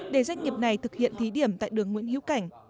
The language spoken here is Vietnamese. để doanh nghiệp này thực hiện thí điểm tại đường nguyễn hiếu cảnh